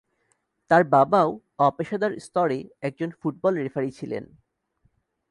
তার বাবাও অপেশাদার স্তরে একজন ফুটবল রেফারি ছিলেন।